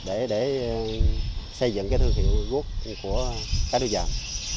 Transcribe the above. để xây dựng cái thương hiệu gút của cái đôi giàn